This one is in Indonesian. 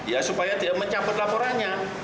ya supaya tidak mencabut laporannya